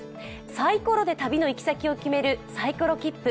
サイコロで旅の行き先を決めるサイコロきっぷ。